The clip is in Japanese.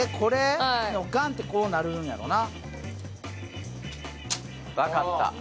ガンッてこうなるんやろうな。